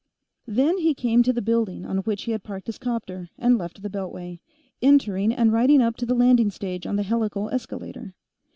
Then he came to the building on which he had parked his 'copter, and left the beltway, entering and riding up to the landing stage on the helical escalator.